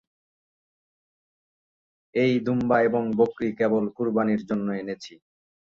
এই দুম্বা এবং বকরী কেবল কুরবানীর জন্য এনেছি।